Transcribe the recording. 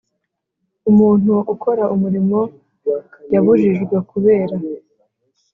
Umuntu ukora umurimo yabujijwe kubera